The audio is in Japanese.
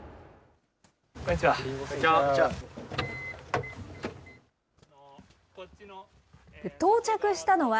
こんにちは。